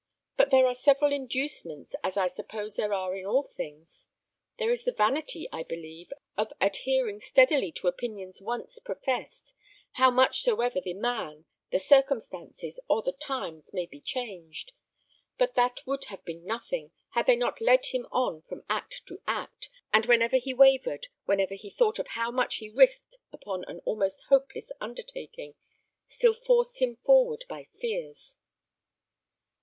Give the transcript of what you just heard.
But there are several inducements, as I suppose there are in all things. There is the vanity, I believe, of adhering steadily to opinions once professed, how much soever the man, the circumstances, or the times may be changed; but that would have been nothing, had they not led him on from act to act, and whenever he wavered, whenever he thought of how much he risked upon an almost hopeless undertaking, still forced him forward by fears."